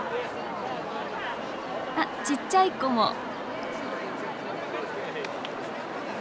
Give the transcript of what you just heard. あっちっちゃい子も。